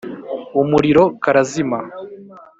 umuriro karazima.